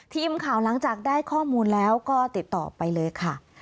ทีมข่าวหลังจากได้ข้อมูลแล้วก็ติดต่อไปเลยค่ะ